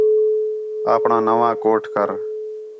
آپݨاں نَواں کوٹ کر